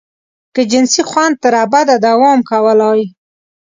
که جنسي خوند تر ابده دوام کولای.